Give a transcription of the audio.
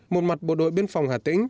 một mặt bộ đội biên phòng hà tĩnh